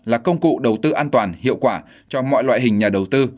là công cụ đầu tư an toàn hiệu quả cho mọi loại hình nhà đầu tư